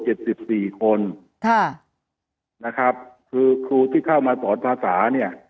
สิบสี่คนค่ะนะครับคือครูที่เข้ามาสอนภาษาเนี้ย